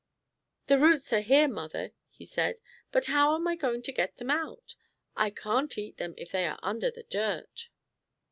"The roots are here, mother," he said. "But how am I going to get them out? I can't eat them if they are under the dirt!"